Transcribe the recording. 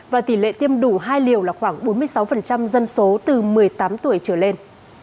và tỷ lệ tiêm đủ hai liều là khoảng bốn mươi sáu dân số từ một mươi tám tuổi trở lên